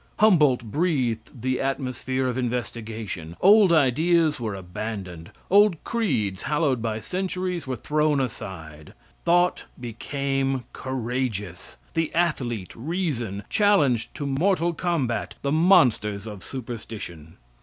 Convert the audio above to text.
Humboldt breathed the atmosphere of investigation; old ideas were abandoned; old creeds, hallowed by centuries, were thrown aside; thought became courageous; the athlete, Reason, challenged to mortal combat the monsters of superstition.